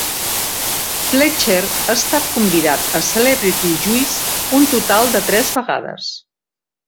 Fletcher ha estat convidat a Celebrity Juice un total de tres vegades.